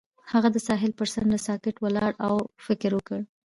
هغه د ساحل پر څنډه ساکت ولاړ او فکر وکړ.